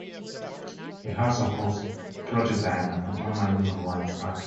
It also hosts "Project Diana: An Online Human Rights Archive".